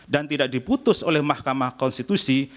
dan tidak diputus oleh mahkamah konstitusi